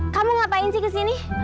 kamu ngapain sih kesini